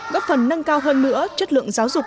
góp phần nâng cao hơn nữa chất lượng giáo dục